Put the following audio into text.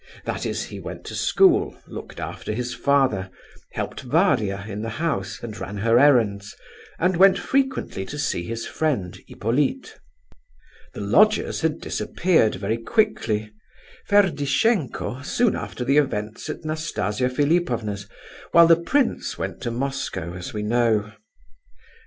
That is, he went to school, looked after his father, helped Varia in the house, and ran her errands, and went frequently to see his friend, Hippolyte. The lodgers had disappeared very quickly—Ferdishenko soon after the events at Nastasia Philipovna's, while the prince went to Moscow, as we know.